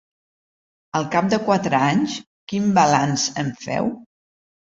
Al cap de quatre anys, quin balanç en feu?